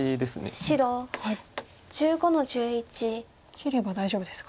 切れば大丈夫ですか。